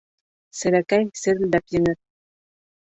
Серәкәй серелдәп еңер.